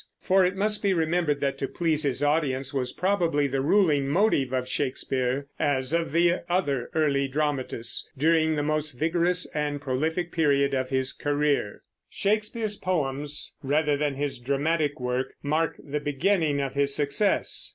For it must be remembered that to please his audience was probably the ruling motive of Shakespeare, as of the other early dramatists, during the most vigorous and prolific period of his career. Shakespeare's poems, rather than his dramatic work, mark the beginning of his success.